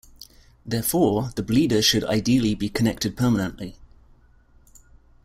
Therefore the bleeder should ideally be connected permanently.